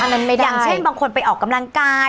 ไม่ได้อย่างเช่นบางคนไปออกกำลังกาย